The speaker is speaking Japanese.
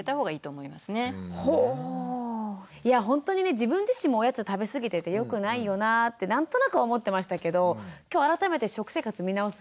自分自身もおやつを食べ過ぎててよくないよなって何となく思ってましたけど今日改めて食生活見直す